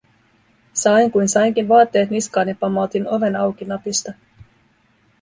Sain kuin sainkin vaatteet niskaan ja pamautin oven auki napista.